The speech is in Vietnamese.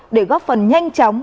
để góp phần nhanh chóng